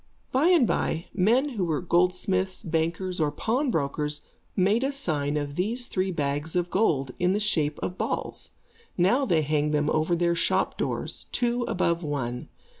By and by, men who were goldsmiths, bankers or pawnbrokers, made a sign of these three bags of gold, in the shape of balls. Now they hang them over their shop doors, two above one.